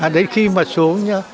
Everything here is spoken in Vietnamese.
đấy khi mà xuống nhá